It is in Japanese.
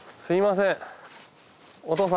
すみません。